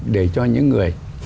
để cho những người